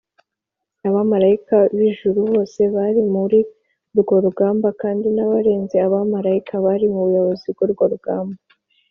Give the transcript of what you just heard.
abamarayika b’ijuru bose bari muri urwo rugamba kandi n’abarenze abamarayika bari mu buyobozi bw’urwo rugamba